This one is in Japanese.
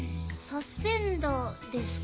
サスペンダーですか？